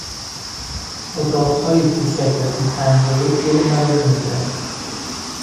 اتاقهای کوچک و بی پنجره دل مرا میگیرند.